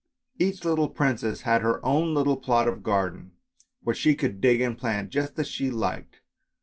Each little princess had her own little plot of garden, where she could dig and plant just as she liked.